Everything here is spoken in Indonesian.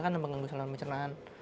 kan yang mengganggu saluran pencernaan